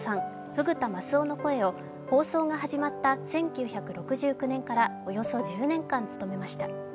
フグ田マスオの声を放送が始まった１９６９年からおよそ１０年間務めました。